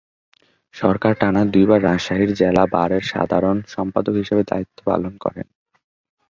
সরকার টানা দুইবার রাজশাহীর জেলা বারের সাধারণ সম্পাদক হিসাবে দায়িত্ব পালন করেন।